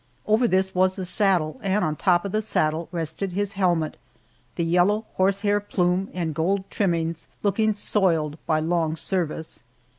Over this was the saddle, and on top of the saddle rested his helmet the yellow horsehair plume and gold trimmings looking soiled by long service.